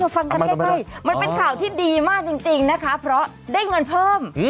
มันเป็นข่าวที่ดีมากจริงนะคะเพราะได้เงินเพิ่ม